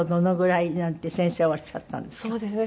そうですね。